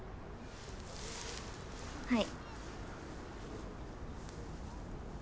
はい。